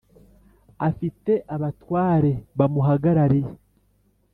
afite abatware bamuhagarariye.